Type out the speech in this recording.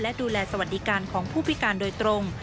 และดูแลสวัสดิการของผู้พิการโดยตรง